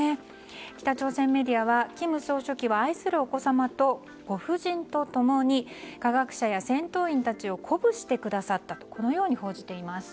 北朝鮮メディアは金総書記は愛するお子様とご夫人と共に科学者や戦闘員たちを鼓舞してくださったと報じています。